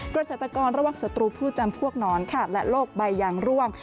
กระเศรษฐกรระวังสตรูพืชจำพวกน้อนและโรคใบยังร่วง